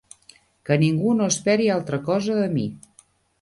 Que ningú no esperi altra cosa de mi.